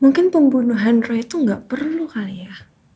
mungkin pembunuh henry itu tidak perlu ya